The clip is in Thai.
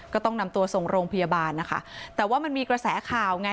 ก็ต้องนำตัวส่งโรงพยาบาลนะคะแต่ว่ามันมีกระแสข่าวไง